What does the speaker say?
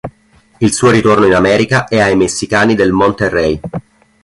Il suo ritorno in America è ai messicani del Monterrey.